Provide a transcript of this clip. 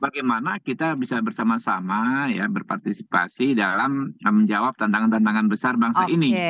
bagaimana kita bisa bersama sama berpartisipasi dalam menjawab tantangan tantangan besar bangsa ini